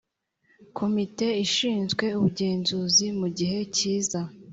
komite ishinzwe ubugenzuzi mu gihe cyiza